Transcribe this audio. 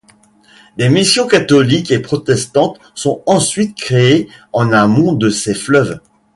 Des missions catholiques et protestantes sont ensuite créées en amont de ces fleuves.